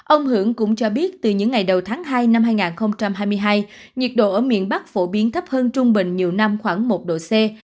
ông hưởng cũng cho biết từ những ngày đầu tháng hai năm hai nghìn hai mươi hai nhiệt độ ở miền bắc phổ biến thấp hơn trung bình nhiều năm khoảng một độ c